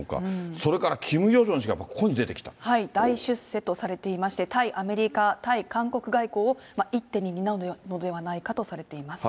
それから、キム・ヨジョン氏がこ大出世とされていまして、対アメリカ、対韓国外交を一手に担うのではないかとされています。